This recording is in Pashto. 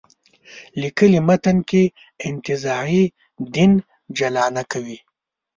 لیکلي متن کې انتزاعي دین جلا نه کوي.